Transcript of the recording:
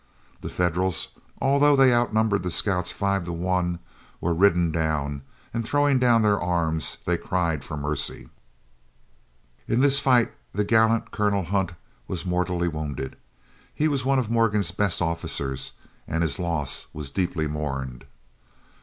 The Federals, although they outnumbered the scouts five to one, were ridden down, and throwing down their arms they cried for mercy. In this fight the gallant Colonel Hunt was mortally wounded. He was one of Morgan's best officers, and his loss was deeply mourned.